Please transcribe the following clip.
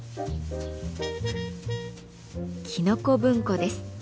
きのこ文庫です。